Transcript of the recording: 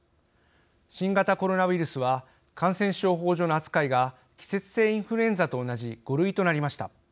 新型コロナウイルスは感染症法上の扱いが季節性インフルエンザと同じ５類となりました。